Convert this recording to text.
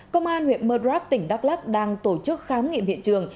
công an huyện murdrap tỉnh đắk lắc đang tổ chức khám nghiệm hiện trường